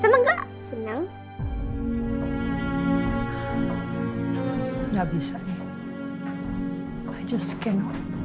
jangan din masuk din